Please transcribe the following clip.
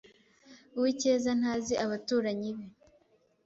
Uwicyeza ntazi abaturanyi be.